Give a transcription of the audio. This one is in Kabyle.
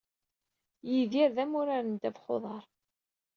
Yidir d amurar n ddabex-uḍar.